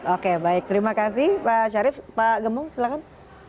oke baik terima kasih pak syarif pak gemung silahkan